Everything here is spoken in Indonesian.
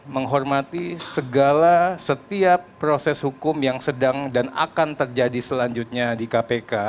menghormati segala setiap proses hukum yang sedang dan akan terjadi selanjutnya di kpk